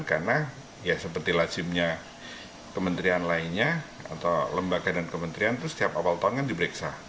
karena ya seperti lazimnya kementerian lainnya atau lembaga dan kementerian itu setiap awal tahun kan diperiksa